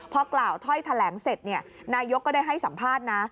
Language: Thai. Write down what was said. พอกล่าวถ้อยแถลงเสร็จนายกก็ได้ให้สัมภาษณ์นะ